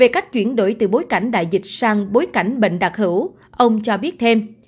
về cách chuyển đổi từ bối cảnh đại dịch sang bối cảnh bệnh đặc hữu ông cho biết thêm